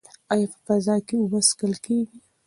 ایا په فضا کې اوبه څښل کیږي؟